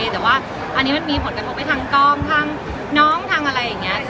แต่ว่าอันนี้มันมีผลกระทบไปทางกล้องทางน้องทางอะไรอย่างนี้